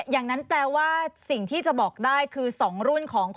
อย่างนั้นแปลว่าสิ่งที่จะบอกได้คือ๒รุ่นของ